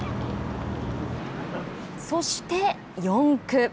そして４区。